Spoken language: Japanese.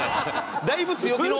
だいぶ強気の。